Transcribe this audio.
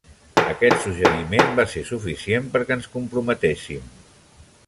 Aquest suggeriment va ser suficient perquè ens comprometéssim.